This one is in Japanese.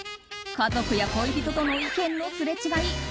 家族や恋人との意見のすれ違い。